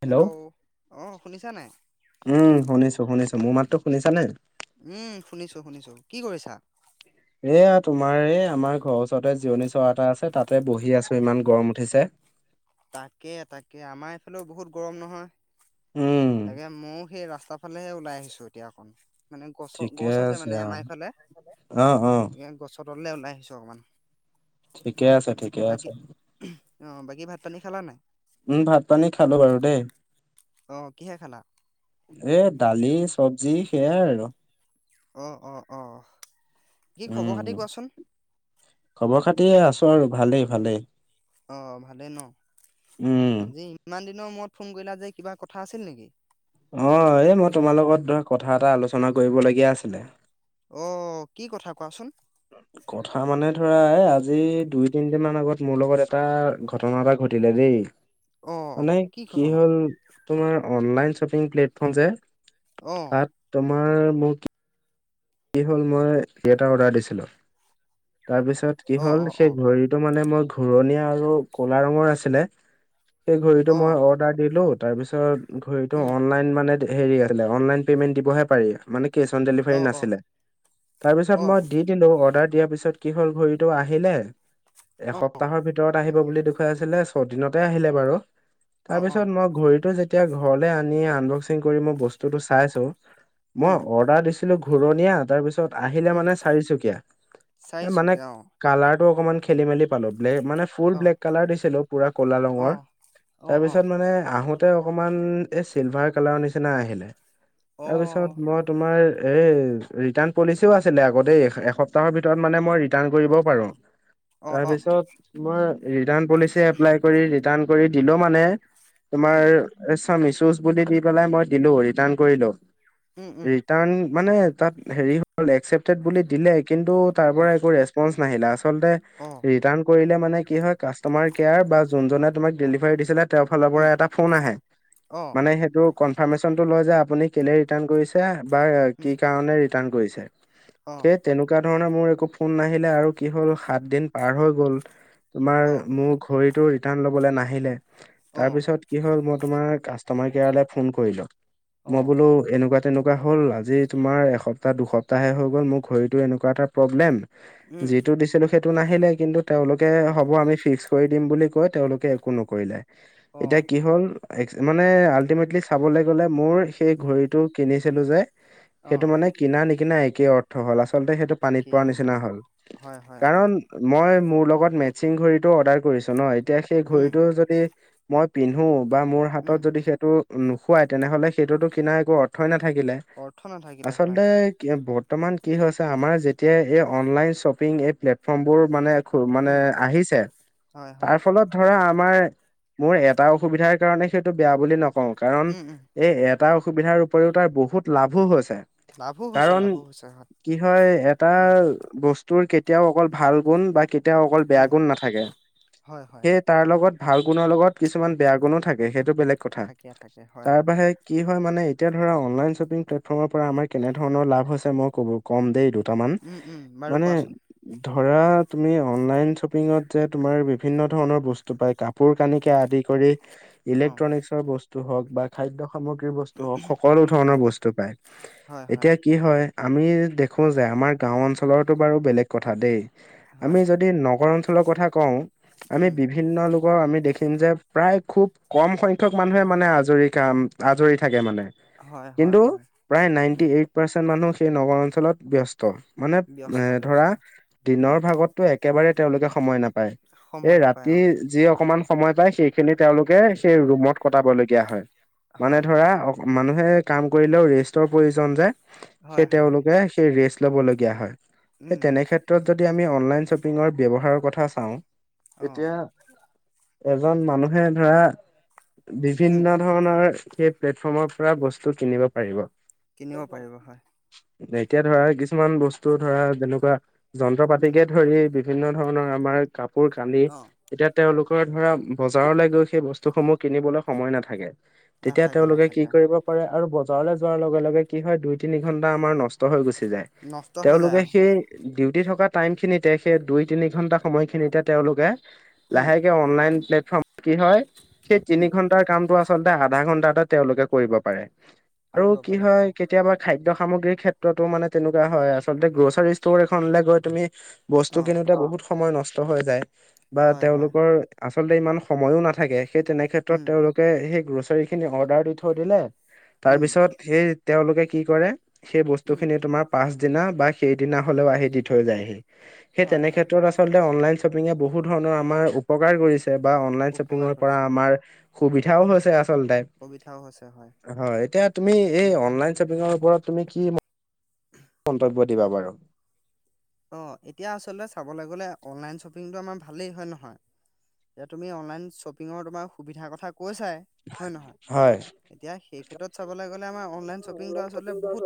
Hello অ শুনিছা নাই উম শুনিছো শুনিছো মোৰ মাত্ৰো শুনিছানে উম শুনিছো শুনিছো কি কৰিছা এয়া তোমাৰ এই আমাৰ ঘৰৰ ওচৰতে জিৰণি চৰা এটা আছে তাতে বহি আছো ইমান গৰম উঠিছে [inaudible] তাকে তাকে আমাৰ এইফালেও বহুত গৰম নহয় উম তাকে ময় সেই ৰাস্তা তাৰফালেহে ওলাই আহিছো এতিয়া অকণ মানে গছ গছ আছে মানে আমাৰফালে অ অ অ এে গছৰ তললে ওলাই আহিছো অকমান ঠিকে আছে ঠিকে বাকী আছে। অ বাকী ভাত পানী খালা নাই? উম ভাত পানী খালো বাৰু দেই। অ কিহে খালা এ দালি চবজি সেইয়াই আৰু। অ', অ', অ'। কি খবৰ খাতি উম, কোৱাচোন খবৰ খাতিয়ে আছো আৰু ভালেই ভালেই। অ', ভালে ন? উম আজি ইমান দিন দিনৰ মূৰত ফোন কৰিলা যে কিবা কথা আছিল নেকি? অ', এই মই তোমাৰ লগত ধৰা কথা এটা আলোচনা কৰিবলগীয়া আছিলে। অ', কি কথা কোৱাচোন। কথা মানে ধৰা আজি দুই তিনদিন মান আগত মোৰ লগত এটা ঘটনা এটা ঘট টিলে দেই। অ মানে কি হল, তোমাৰ অনলাইন শ্বপিং প্লেটফৰ্ম যে। অ তাত তোমাৰ মোৰ কি কি হ'ল মই কি এটা অৰ্ডাৰ দিছিলোঁ। তাৰপিছত কি অ হ'ল অ অ সেই ঘড়ীটো মানে মই ঘূৰণীয়া আৰু কলা ৰঙৰ আছিলে। সেই ঘড়ীটো অ মই অৰ্ডাৰ দিলো তাৰ পিছত ঘড়ীটো উম অনলাইন মানে দে হেৰি আছিলে অনলাইন পে'মেণ্ট দিবহে পাৰি, মানে কেছ অন অ ডেলিভাৰী অ নাছিলে। তাৰপিছত মই অ', দি দিলো অৰ্ডাৰ দিয়াৰ পিছত কি হ'ল ঘডৰিতটো আহিলে, অ', এসপ্তাহৰ ভিতৰত আহিব বুলি দেখুৱাই আছিলে ছদিনতে আহিলে বাৰু। অ', অ', তাৰপিছত মই ঘড়ীতো যেত তিয়া ঘৰলে আনি মই বস্তুটো আনবক্সিং কৰি চাইছো, মই উম, অৰ্ডাৰ দিছিলোঁ ঘ ঘূৰণীয়া তাৰ পিছত আহিলে মানে চাৰিচুকীয়া। চাৰিচুকিয়া অ'। ভাৰ তো অকনমান খেলি মেলি পালোঁ। ব্লে মানে ফুল অ', ব্লেক কালাৰ দিছিলো পুৰা ক'লা ৰঙৰ, অ', অ'। অ', অ', তাৰপিছত মানে আহোত ততে অকমান এই চিলভাৰ কালাৰ নিচিনা আহিলে অ', তাৰপিছত মই তোমাৰ এই ৰিটাৰ্ণ পলিচিও আছিলে আগতে এসপ্তাহৰ ভিতৰত মানে মই ৰিটাৰণ কৰিব পাৰোঁ। অ', অ', তাৰপিছতই পলিচ এপ কৰি কৰি দিলো মানে উম, তোমাৰ মিচুজ বুলি দি পেলাই মই দিলো ৰিটাৰণ কৰিলো। উম, উম, ৰিটাৰণ মানে তাত হে হল একচেপটেড বুলি দিলে কিন্তু তাৰ অ', পৰা একো ৰেচপণ্ডচ নাহিলে। আচলতে অ', ৰিটাৰ্ণ কৰিলে মানে কি হয় কাষ্টমাৰ কেয়াৰ বা যোনজনে তোমাক ডেলিভাৰী দিছিলে তেওঁৰ ফালৰ উম, পৰা এটা ফোন আহে, অ', মানে সেইটো কনফাৰ্মেশ্যনটো লয় যে আপুনি কেলৈ ৰিটাৰ্ণ কৰিছে বা উম, কি কাৰণে ৰিটাৰ্ণ কৰিছে। অ', সেই তেনেকুৱা ধৰণে মোৰ একো ফোন নাহিলে আৰু কি হ'ল সাত দিন পাৰ হৈ গ'ল। তোমাৰ অ', মোৰ ঘড়ীটো ৰিটাৰ্ণ ল'বলৈ নাহিলে অ', তাৰপিছত কি হ'ল মই তোমাৰ কাছ তমাৰ কেৰালাই ফোন কৰিলো, মই অ', বোলো এনেকুৱা তেনেকুৱা হ'ল আজি তোমাৰ এসপ্তাহ দুসপ্তাহে হৈ গ'ল মোৰ ঘড়ীটো এনেকুৱা এটা প্ৰব্লেম। উম, যিটো দিছিলো সেইটো নাহিলে কিন্তু তেওঁলোকে অ', হ'ব আমি ফিক্স কৰি দিম বুলি কৈ তেওঁলোকে একো নকৰিলে, এতিয়া অ', কি হল মানে আল্টিমেটলি চাবলৈ গলে মোৰ সেই উম, ঘড়ীটো কিনিছিলো যে সেইটো অ', মানে কিনা নিকিনা একেই অৰ্থ হ'ল আচলতে সেইটো পানীত একেই পোৱাৰ হৈ গ'ল নিচিনা হয়। হল, হয়, হয়, হয়, কাৰণ মই মোৰ লগত মিংড়টো অৰ্ধাৰ কৰিছো ন তেতিয়া সেই উম, ঘড়ীটো যদি মই পিন্ধো বা মোৰ হাতত উম, যদি সেইটো নোখোৱাই তেনেহলে সেইটোতো কিনা একো অৰ্থই নাথাকিলে। অৰ্থ নাথাকিলে হয়, আচলতে কি ব বৰ্তমান কি হৈছে আমাৰ যেতিয়া এই অনলাইন শ্বপিং এই প্লেটফৰ্মবোৰ মানে মানে উম, আহিছে, হয়, হয়, তাৰ ফলত ধৰা মোৰ এটা অসুবিধাৰ কাৰণে সেইটো বেয়া বুলি নকওঁ কাৰণ উম, উম, এই এপ এটা অসুবিধাৰ উপৰিও তাৰ বহুত লাভো হৈছে। লাভো হৈছে, কাৰণ লাভো হৈছে হয়, কি হয় এটা উম, বস্তুৰ কেতিয়াও অকল ভাল গুণ বা এতিয়াও অকল বেয়া উম, গুণ নাথাকে হয়, হয়, সেয়ে তাৰ লগত ভাল গুণৰ লগত কিছুমান বেয়া গুণো থাকে সেইটো বেলেগ কথা থাকে, থাকে, হয়, তাৰ হয়, বাহি কি হয় মানে এতিয়া ধৰা অনলাইন শ্বপিং প্লেটফৰ্ম পৰাম কেনেধণৰ লা হৈছে মই ক'ব কম দেেই দো কটামান উম, উম, বাৰু মানে কোৱাচোন ধৰা তুমি অনলাইন শ্বপিঙত যে তোমাৰ বিভিন্ন ধৰণৰ বস্তু পায় কাপোৰ কানিকৈ আদি কৰি অ', ইলেক্ট্ৰনিকছৰ বস্তু হওঁক বা খাদ্য সামগ্ৰ্ৰ বস্তু হওক সকলো অ'। ধৰণৰ বস্তু পায় হয়, হয়, এতিয়া কি হয় আমি দেখো যে আমাৰ গাঁও অঞ্চলতো বাৰু বেলেগ কথা দেই আমি হয়, যদি নগৰ অঞ্চলৰ কথা কওঁ আমি উম, বিভিন্ন আমি দেখিম যে প্ৰায় খুব কম সংখ্যক মানুহে মানে আজৰি খাম আজৰি থাকে মানে হয়, হয়, কিন্তু হয়, প্ৰায় নাইনটি উম, এইট পাৰ্চেন্ট মানুহ সেই নগৰ অঞ্চলত ব্যস্ত মানে এ ব্যস্ত, ধৰা ব্যস্ত, উম, দিনৰ ভাগতো একেবাৰে তেওঁলোকে সময় নাপায় প সময় এই নাপায় ৰাতি অ', যি অকমান সময় পায় সেই খিনি তেওঁলোকে সেই ৰুমত কটাবলগীয়া হয় মানে হয়, ধৰা অ মানু কাম কৰিলেও ৰেষ্টৰ প্ৰয়োজন যোয় সেই হয়, হয়, তেওঁলোকে সেই ৰেষ্ট ল'ব লগীয়া হয় উম, সেই তেনেক্ষেত্ৰত যদি আমি অনলাইন শ্বপিঙৰ ব্যৱহাৰৰ কথা চাওঁ অ', এতিয়া এজন মানুহে ধৰা উম, বিভিন্ন ধৰণৰ সেই প্লেটফৰ্মৰ পৰা বস্তু কিনিব পাৰিব কিনিব পাৰিব হয় এতিয়া ধৰা কিছুমান বস্তু ধৰা যেনেকুৱা যন্ত্ৰ উম, পাতিকে ধৰি বিভিন্ন ধৰণৰ আমাৰ কাপোৰ কান্দি অ', এতিয়া তেওঁলোকৰ ধৰা বজাৰলৈ গৈ সেই বস্তুসমূহ কিনিবলৈ সময় নাথাকে তেতিয়া নাথাকে, তেওঁলোকে কি নাথাকে অ', কৰিব পাৰে আৰু বজাৰলৈ যোৱাৰ লগে লগে কি হয় দুই তিনি ঘন্টা আমাৰ নষ্ট হৈ গুচি যায় নষ্ট হৈ যায় তেওঁলোকে অ', সেই ডিউটি থকা টাইম খিনিতে সেই দুই তিনি ঘন্টা সময়খিনিতে তেওঁলোকে উম, লাহেকে অনলাইন প্লেটফৰ্ম কি হয় সেই তিনি উম, ঘন্টাৰ কামটো আছে আধা ঘন্টাতে তেওঁলোকে কৰিব পাৰে আৰু কৰিব কি পাৰে হয় কেতিয়াবা খাদ্য সামগ্ৰীৰ ক্ষেত্ৰ ো মানে তেনেকুৱা হয় আচলতে গ্ৰ'চাৰী ষ্ট'ৰ এখনলে গৈ তুমি বস্তু অ', কিনিতে বহুত সময় নষ্ট হৈ যায় বা হয়, হয়, তেওঁলোকৰ আচলতে ইমান সময়ো নাথাকে সেই তেনেক্ষেত্ৰত উম, তেওঁলোকে সেই গ্ৰছাৰীখিনি অৰ্ডাৰ দি থৈ দিলে উম, তাৰপিছত সেই তেওঁলোকে কি কৰে সেই বস্তু উম, খিনি তোমাৰ পাছদিনা বা সেইদিনা হলেও আহি দি থৈ যায়হি সেই হয়, তেনে হয়, ক্ষেত্ৰত হয়, আচলতে অনলাইন শ্বপিঙে বহুত ধৰণৰ আমাৰ উপকাৰ কৰিছে বা অনলাইন উপকাৰ শ্বপিঙৰ পৰা কৰিছে, আমাৰ সুবিধাও হৈছে আচলতে সুবিধাও হৈছে হয় এতিয়া তুমি এই উম, অনলাইন শ্বপিঙৰ ওপৰত তুমি কি মন্তব্য দিবা বাৰু অ এতিয়া আচলতে চাবলৈ গলে অনলাইন শ্বপিংটো আমাৰ ভালেই হয় নহয় এতি তুমি অনলাইন শ্বপিঙৰ তোমাৰ সুবিধাৰ কথা কৈছাই হয় নহয় হয় এতিয়া সেই ক্ষেত্ৰত চাবলৈ গ'লে আমাৰ অনলাইন শ্বপিংটো আচলতে বহুত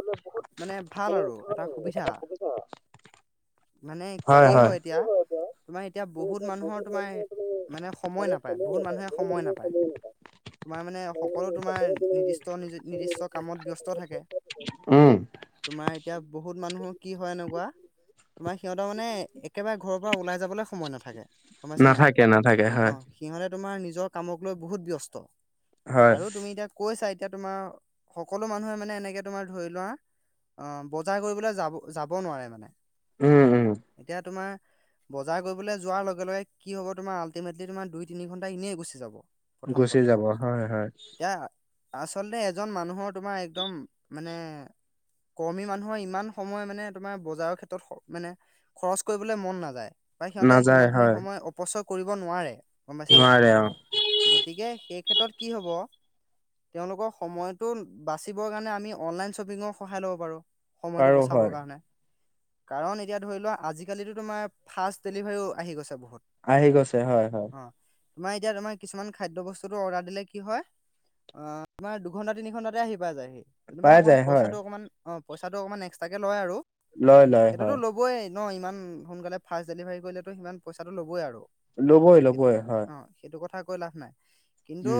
মানে ভাল আৰু এটা সুবিধা [inaudible] মানে কি হয় এতিয়া তোমাৰ এতিয়া বহুত মানুহৰ তোমাৰ মানে সময় নাপায় বহুত মানুহে সময় নাপায় তোমাৰ মানে সকলো তোমাৰ নিৰ্দিষ্ট নিৰ্দিষ্ট কামত ব্যস্ত থাকে উম তোমাৰ এতিয়া বহুত মানুহৰ কি হয় এনেকুৱা তোমাৰ সিহঁতৰ মানে একেবাৰে ঘৰৰ পৰা ওলাই যাবলৈ সময় নাথাকে গমাইছে নাই নাথাকে নাথাকে অ হয় সিহলে তোমাৰ নি হয় ব ত এতিয়া তোমাৰ সকলো মানুহে মানে এনেকে তোমাৰ ধৰি লোৱা অ বজাৰ কৰিবলৈ যাব যাব নোৱাৰে মানে উম উম এতিয়া তোমাৰ বজাৰ কৰিবলৈ যোৱাৰ লগে লগে কি হব তোমাৰ আল্টিমেটলি তোমাৰ দুই তিনি ঘন্টা এনেই গুচি যাব প্ৰথম গুচি কথা যাব হয় হয় এতিয়া আচলতে এজন মানুহৰ তোমাৰ একদম মানে কৰ্মী মানুহৰ ইমান সময় মানে তোমাৰ বজাৰৰ ক্ষেত্ৰত মানে খৰচ কৰিবলৈ মন নাযায় বা সিহঁতে নাযায় সিমানখিনি হয় সময় অপচয় কৰিব নোৱাৰে গম পাইছা নাই নোৱাৰে অ গতিকে সেই ক্ষেত্ৰত কি হব তেওঁলোকৰ সময়তো বাচিবৰ কাৰণে আমি অনলাইন শ্বপিঙৰ সহায় লব পাৰো সময়টো পাৰো হয় বচাবৰ কাৰণে কাৰণ এতিয়া ধৰি লোৱা আজিকালিো তোমাৰ ফাষ্ট ডেলিভাৰীও আহি গৈছে বহুত আহি গৈছে হয় হয় তুমাৰ এতিয়া তমাৰ কিছুমানাদয় বস্তু দিলে কি হয় অ তমাৰ দুঘন্টা তিনি ঘণ্টাতে আহি পা যায় সি যেনিবা পাই অকণমান যায় হয় পইচাটো অকণমান অ পইচাটো অকমান এক্সট্ৰাকে লয় আৰু লয় লয় সেইটোতো হয় ল'বই ন ইমান সোনকালে ফা্ট ডেলিভাৰী কৰিলেতো সিমান পইচাটো ল'বই আৰু ল'ব হয় ল'ব সেইটো হয় হয় অ সেইটো কথা লাভ নাই কিন্তু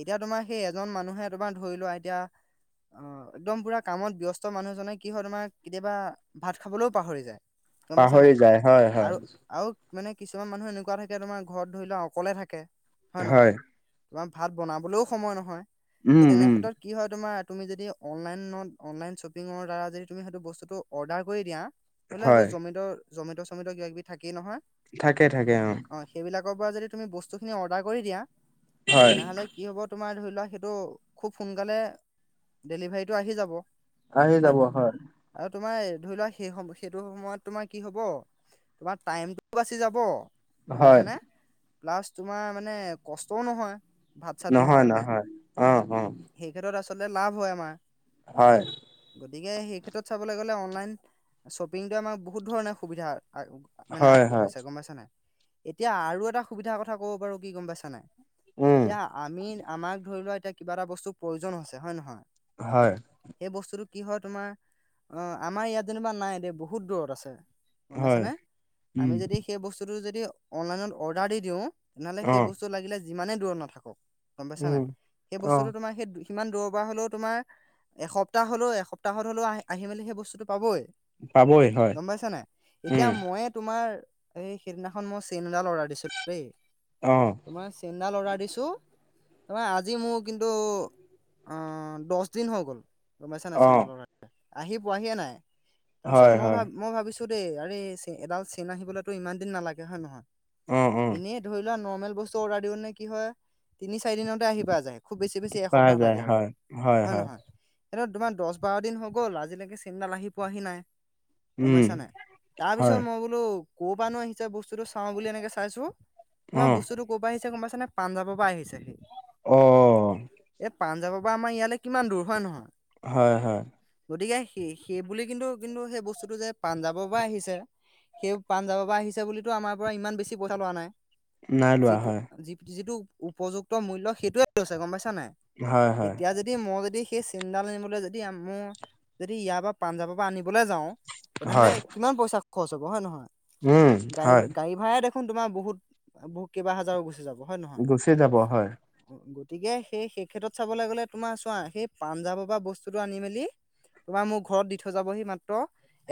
এতিয়া তোমাৰ সেই এজন মানুহে তোমাৰ ধৰি লোৱা এতিয়া অ একদম পুৰা কামত ব্যস্ত মানুহজনে কি হয় তোমাৰ কেতিয়াবা ভাত খাবলৈও পাহৰি যায় গম পাইছা নাই পাহৰি যায় হয় আৰু হয় আৰু মানে কিছুমান মানুহ এনেকুৱা থাকে তোম ঘৰত ধৰি লওক অকলে থাকে হয় তোমাৰ ভাত বনাবলৈও সময় নহয় সেই উম উম তেনেক্ষেত্ৰত কি হয় তোমাৰ তুমি যদি অনলাইনত অনলাইন শ্বপিঙৰ দ্বাৰা যদি তুমি সেইটো বস্তুটো অৰ্ডাৰ কৰি দিয়া হলে হয় এইবোৰ জমিতৰ জমিত চমিত কিবা কিবি থাকেইে নহয় থাকে থাকে অ আগৰ পৰা যদি তুমি বস্তু খিনি অৰদাৰ কৰিদিয়া হয় তেনেহলে হললে অকল তোমাৰ ধৰি লোৱা সেইটো খুব সোনকালে ডেলিভাৰীটো আহি যাব আহি যাব হয় আৰু তোমাৰ ধৰি লোৱা সেই সম সেইটো সময়ত তোমাৰ কি হব তোমাৰ টাইমটোও বাচি যাব গম হয় পাইছানে প্লাছ তোমাৰ মানে কষ্টও নহয় ভাত চাত নহয় বনাওঁতেনে নহয় আহ অ সেই ক্ষেত্ৰত লাভ হয় আমাৰ হয় গতিকে সেই ক্ষেত্ৰত চাবলৈ গ'লে অনলাইন শ্বপিংটোৱে আমাৰ বহুত ধৰণে সুবিধা মানে হয় হয় আগবঢ়াইছে গম পাইছা নাই এতিয়া আৰু এটা সুবিধাৰ কথা কব বাৰু কি গম পাইছা নাই উম এতিয়া আমি আমাক ধৰি লোৱা এতিয়া কিবা এটা বস্তু প্ৰয়োজন হৈছে হয়ে নহয় হয় সেই বস্তুটো কি হয় তোমাৰ অ আমাৰ ইয়াত যেনিবা নাই দ বহুত দূৰত আছে গম হয় পাইছানে আমি উম যদি সেই বস্তুতটো যদি লৰ্ দি অ তেনেহলেেই ব্ত লে যিমানে দূৰত নাথক গম পাইছা না উম সেই অ বস্তুতটো তোমাৰ সেই কিমান দূ পৰা হ'লেও তোমাৰ এসপ্তাহ হ'লেও এসপ্তাহত হলেও আহ আহি মেলি সেই বস্তুটো পাবই পাবই হয় গম পাইছা নাই এতিয়া উম মইে তোমাৰ এই সেইদিনাখন মই চেইনডাল অৰ্ডাৰ দিছিলো দেই অ তোমাৰ চেইনডাল অৰ্ডাৰ দিছো তাৰ আজি মোৰ কিন্তু আহ দহ দিন হৈ গ'ল গমাইছা না অ চিন্তাল আহি পোৱাহিয়ে নাই তাৰ পিছত হয় মই ভ হয় মই ভাবিছো দেই আৰে এডাল চেইন আহিবলৈতো ইমান দিন নালাগে হয় নহয় অ অ এনেই ধৰি লোৱা নৰ্মেল বস্তু অৰ্ডাৰ দিওঁ নে কি হয় তিনি চাৰি দিনতে আহি পা যায় খুব বেছি বেছি পোৱা এসপ্তাহ যায় হয় হয় হয় এইটো তোমাৰ দহ বাৰ দিন হৈ গ'ল আজিলৈকে চিন্তাল আহি পোৱাহি নাই গম উম পাইছা নাই তাৰপিছত হয় মই বোলো ক'ৰ পৰা নো আহিছে বস্তুটো চাও বুলি এনেকে চাইছো অ কিমান বস্তুটো কৰ পৰা আহিছে কোনোবা ানে পাঞজাবৰ পৰা আহিছে সি অ এই পাঞ্জাৱৰ পৰা আমাৰ ইয়ালৈ কিমান দূৰ হয় নহয় হয় হয় গতিকে সেই সেই বুলি কিন্তু কিন্তু সেই বস্তুটো যে পাঞ্জাৱৰ পৰা আহিছে। সেই পাণজাব পৰা আহিছে বুলিো আমাৰ পৰা ইমান বেছি পইচা লোৱা নাই। নাই লোৱা যিটো হয় যি যিটো উপযুক্ত মূল্য় সেইটোয়েৈছে গম পাইছো। হয় হয় এতিয়া যদি মই যদি সেই চিন্তানবলৈ যদি মোৰ যদি ইয়াৰ পৰা পাঞ্জাৱৰ পৰা আনিবলৈ যাও তেনেহলে হয় কিমান পইচা খৰচ হব হয় নহয়। উম গাড়ী হয় গাড়ী ভাড়াই দেখোন তোমাৰ বহুত বহুত কেইবা হাজাৰো গুচি যাব। হয় নহয় গুচিয় যাব হয়। গতিকে সেই সেই ক্ষেত্ৰত চাবলৈ গ'লে তোমাৰ চোৱা সেই পাঞজাৱৰ পৰা বস্তুটো আনি মেলি তোমাৰ মোৰ ঘৰত দি থৈ যাবহি মাত্ৰ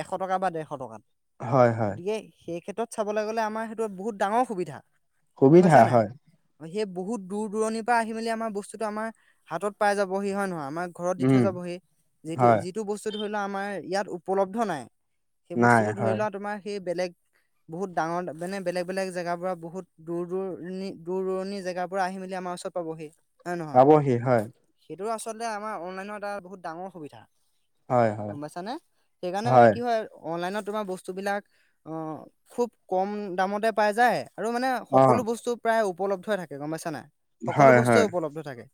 এশ টকা বা ডেৰশ টকাত হয়, হয়, গতিকে সেই ক্ষেত্ৰত চাবলৈ গ'লে আমাৰ সেইটো বহুত ডাঙৰ সুবিধা গম সুবিধা পাইছা নাই হয়। সেই বহুত দূৰ দূৰণিৰ পৰা আহি মেলি আমাৰ বস্তুতটো আমাৰ হাতত পাই যাব সি হয় নহয় আমাৰ ঘৰত দি উম, থৈ যাবহি যিটো হয়, যিটো বস্তু ধৰি লোৱা আমাৰ ইয়াত উপলব্ধ নাই সেই নাই বস্তুতটো ধৰি হয়, লোৱা তোমাৰ সেই বেলেগ [inaudible] বহুত ডাঙৰ মানে বেলে বলেগেগাৰ পৰা বহুত দূৰ দূৰণি দূৰ দূৰণি জেগাৰ পৰা আহি মেলি আমাৰও পাবহি আবহি হয় এইটো আচলতে আমাৰ অনলাইনৰ এটা বহুত ডাঙৰ সুবিধা হয়, হয়, গম বাইছাানে সেইকাৰণে মানে কি হয় অনলাইনত তোমাৰ বস্তুবিলাক খুব কম দামতে পাই যায় আৰু মানে সকলো অ', বস্তু প্ৰায় উপলব্ধ থাকে গম পাইছা নাই সকলো হয়, বস্তুৱে হয়, উপলব্ধ থাকে।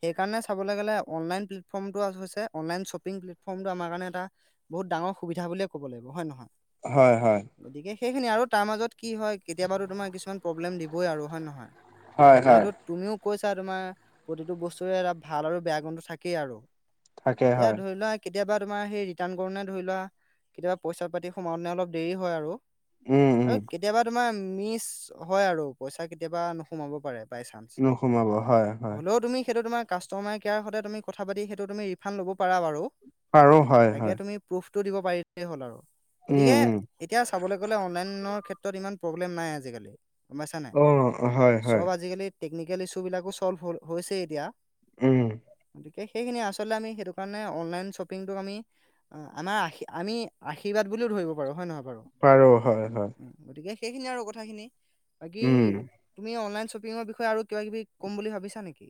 সেইকাৰণে চাবলৈ গলে অনলাইন প্লেটফৰ্ম টো হৈছে অনলাইন শ্বপিং প্লে ফৰ্মটো আম কাৰণে এটা বহুত ডাঙৰ সুবিধা বুলে ক'ব লাগিব হয় নহয়। হয় হয়। গতিকে সেইখিনি আৰু তাৰ মাজত কি হয় কেতিয়াবাতো তোমাৰ কিছুমান প্ৰব্লেম দিবই আৰু হয় নহয়। হয়, হয়, যিহেতু তুমিও কৈছা তোমাৰ প্ৰতিটো বস্তুৰে এটা ভাল আৰু বেয়া গন্টো থাকেই আৰু থাকে এতিয়া হয়, ধৰি লোৱা কেতিয়াবা তোমাৰ সেই ৰিটাৰ্ণ কৰোে ধৰি লোৱা কেতিয়াবা পইচা পাতি সোমাওঁে অলপ দেৰি হয় আৰু উম, উম, আৰু কেতিয়াবা তোমাৰ মিচ হয় আৰু পইচা কেতিয়াবা নোসোমাব পাৰে। চান নোসোমাব হয়, হয়, হ'লেও তুমি সেইটো তোমাক কাষ্টমাৰ কেয়াৰ সতে তুমি কথা পাতি সেইটো তুি ৰিফাণ্ড ল'ব পাৰা আৰু হয় হয়। দ পাৰ হ আৰু উম, গতিকে উম, এতিয়া চাবলৈ গলে অনল ক্ষ্ৰ ত ইমান প্ৰব্লেম নাই আজিকালি গম পাইছা নাই অ হয় হয়। চব আজিকালি টেকনিকেল ইছ্যু বিলাকো চল্ভ হৈছে এতিয়া উম', গতিকে সেইখিনি আচলতে আি সেই কাৰণে অনলাইন্বপ আমি আমাৰ আ আমি আশ্বাদ বুলিও ধৰিব পাৰো হয় নহয়। পাৰ হয় হয়। সেইখিনিয় আৰু কথাখিনি বাকী উম, তুমি অনলন শ্বপিৰ বিষয়ে আৰু কিবা কিবি ক'ম বুলি ভাবিছা নেকি?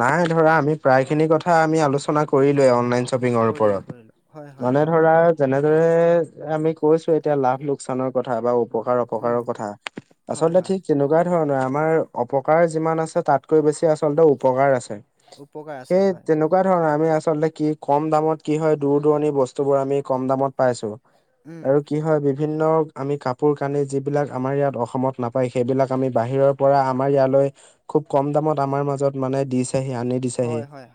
নাই ধৰা আমি প্ৰায় খিনি কথা আমি আলোচনা কৰিলোৱ অনলাইন কৰিলো কৰিলো হয় হয় মানে হয় ধ দৰে আমি কৈছো এতিয়া লাভ লোকচানৰ কথা। বা উপকাৰ উম অপকাৰৰ কথা হয় আচলতে হয় ঠিক তেনেকুৱা ধৰণৰ আমাৰ অপকাৰ যিমান আছে, তাতকৈ বেছি আচলতে উপকাৰ আছে। উপকাৰ আছে সেই হয় তেনেকুৱা ধৰণৰ আমি আচ আচলতে কি কম দামত কি হয় দূৰ দূৰণি বস্তু বোৰ আমি কম দামত পাইছো। উম আৰু কি হয় বি বিভিন্ন আমি কাপোৰ কানি যিবিলাক আমাৰ ইয়াত অসমত নাপায়। সেইবিলাক আমি বাহিৰৰ পৰা আমাৰ ইয়ালে খুব কম দামত আমাৰ মাজত মানে দিছহি আনি দিছাহি। হয় হয়